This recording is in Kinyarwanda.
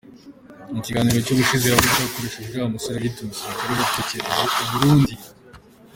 Mukiganiro cy ubushize yavuze ko yakoresheje uriya musore wiyita umusirikare watorokeye iburundi.